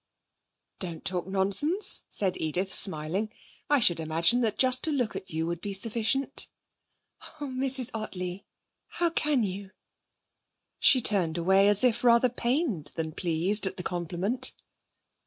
'Don't talk nonsense,' said Edith, smiling. 'I should imagine that just to look at you would be sufficient.' 'Oh, Mrs. Ottley! How can you?' She turned away as if rather pained than pleased at the compliment.